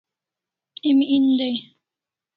Emi en dai